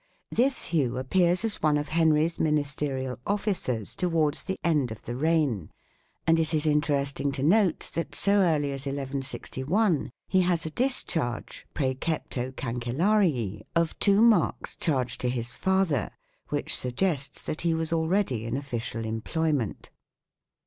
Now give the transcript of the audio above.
7 This Hugh appears as one of Henry's ministerial officers towards the end of the reign, and it is interesting to note that so early as 1161 he has a discharge "precepto Cancel larii " of 2 marcs charged to his father ; 8 which sug gests that he was already in official employment.